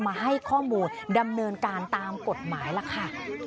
มาให้ข้อมูลดำเนินการตามกฎหมายล่ะค่ะ